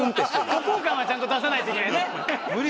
孤高感はちゃんと出さないといけないね。